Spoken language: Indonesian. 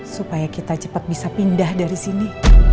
supaya kita cepat bisa pindah dari sini